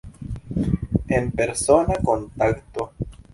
En persona kontakto.